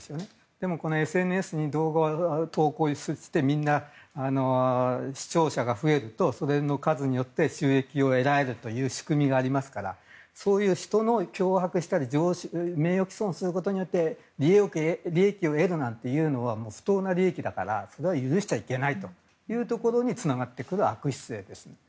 でも、このＳＮＳに動画を投稿して視聴者が増えるとそれの数によって収益を得られるという仕組みになりますからそういう、人を脅迫したり名誉棄損することで利益を得るなんていうのは不当な利益だからそれは許しちゃいけないというところにつながってくる悪質性です。